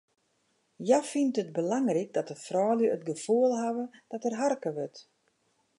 Hja fynt it belangryk dat de froulju it gefoel hawwe dat der harke wurdt.